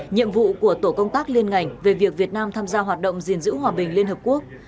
nhiệm vụ của tổ công tác liên ngành về việc việt nam tham gia hoạt động gìn giữ hòa bình liên hợp quốc